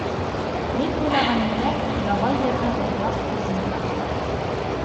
Мин уйнаған нәмә, ябай йырҙан ҙурыраҡ һүҙ менән атала.